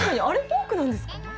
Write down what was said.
あれフォークなんですか？